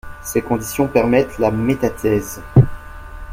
Ces conditions permettent la métathèse.